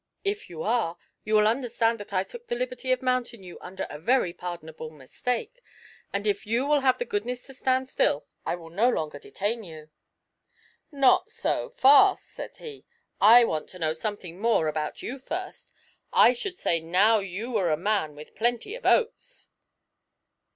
'If you are, you will understand that I took the liberty of mounting you under a very pardonable mistake; and if you will have the goodness to stand still, I will no longer detain you.' 'Not so fast,' said he: 'I want to know something more about you first. I should say now you were a man with plenty of oats.'